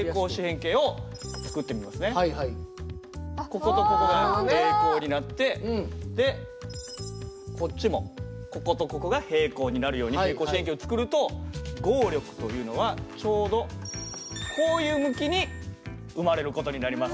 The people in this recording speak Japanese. こことここが平行になってこっちもこことここが平行になるように平行四辺形を作ると合力というのはちょうどこういう向きに生まれる事になります。